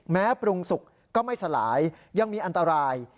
ปรุงสุกก็ไม่สลายยังมีอันตราย